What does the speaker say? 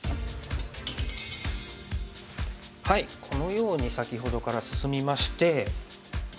このように先ほどから進みまして。